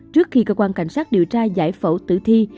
trước khi cơ quan cảnh sát điều tra giải phẫu tử thi